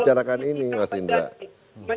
kalau ini yang pejabat